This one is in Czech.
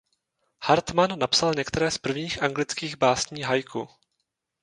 Hartmann napsal některé z prvních anglických básní haiku.